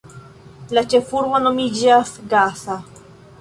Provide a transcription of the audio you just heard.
La ĉefurbo nomiĝas Gasa.